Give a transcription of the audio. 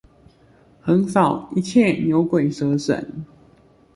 橫掃一切牛鬼蛇神